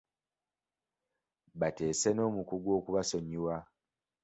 Baateesa n'omukungu okubasonyiwa.